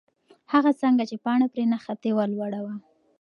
هغه څانګه چې پاڼه پرې نښتې وه، لوړه وه.